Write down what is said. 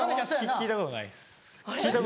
聴いたことないです。